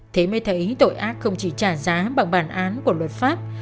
thế mới thấy tội ác không chỉ trả giá bằng bản án của luật pháp